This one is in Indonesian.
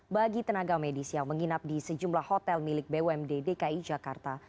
bagi tenaga medis yang menginap di sejumlah hotel milik bumd dki jakarta